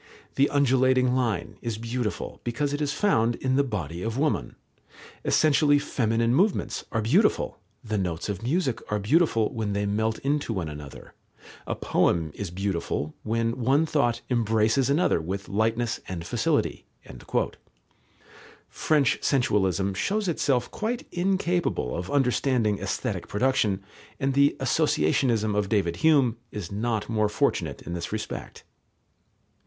The undulating line is beautiful, because it is found in the body of woman; essentially feminine movements are beautiful; the notes of music are beautiful, when they melt into one another; a poem is beautiful, when one thought embraces another with lightness and facility." French sensualism shows itself quite incapable of understanding aesthetic production, and the associationism of David Hume is not more fortunate in this respect.